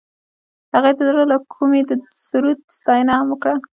هغې د زړه له کومې د سرود ستاینه هم وکړه.